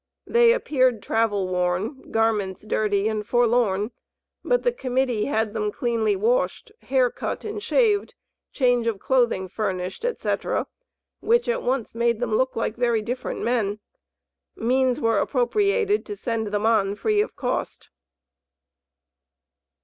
They appeared travel worn, garments dirty, and forlorn; but the Committee had them cleanly washed, hair cut and shaved, change of clothing furnished, &c., which at once made them look like very different men. Means were appropriated to send them on free of cost.